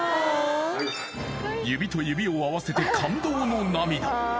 指と指を合わせて感動の涙